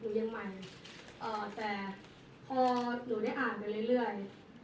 หนูยังใหม่แต่พอหนูได้อ่านไปเรื่อยเรื่อย